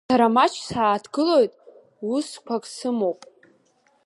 Сара маҷк сааҭгылоит, усқәак сымоуп…